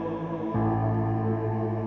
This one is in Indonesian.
saya masih rusak